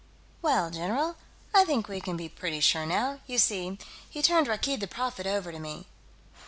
"Well, general, I think we can be pretty sure, now. You see, he turned Rakkeed the Prophet over to me...."